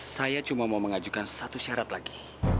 saya cuma mau mengajukan satu syarat lagi